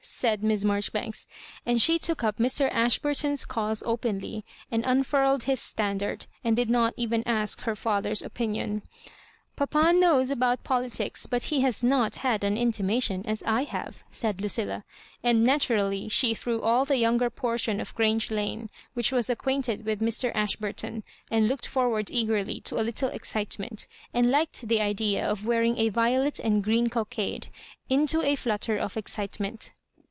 said Miss Marjoribanksi And she took up Mr. Ashburton's cause openly, and un furled his standard, and did not even ask her father's opinion. "Papa knows about politics, but he has not had an intimation, as I have^" Digitized by Google 128 KISS MABJOBIBia^rKS. said Lucilla. And, naturally, she threw all the younger portion of Grange Lane, which was ac quainted with Mr. Ashburton, and looked for ward eagedy to a little excitement and liked the idea of wearing a violet and green cockade, into a flutter of excitement.